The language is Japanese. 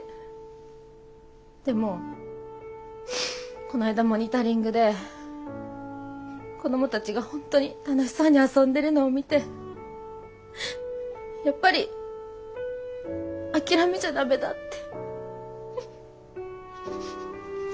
でもこないだモニタリングで子どもたちが本当に楽しそうに遊んでるのを見てやっぱり諦めちゃダメだって。